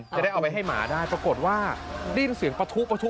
จะได้เอาไว้ให้หมาได้ปรากฏว่าได้ยินเสียงประทุประทุ